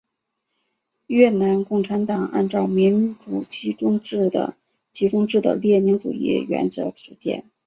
越南共产党按照民主集中制的列宁主义原则组建。